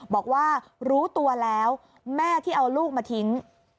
บอกว่ารู้ตัวแล้วแม่ที่เอาลูกมาทิ้ง